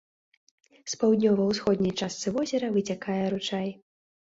З паўднёва-ўсходняй частцы возера выцякае ручай.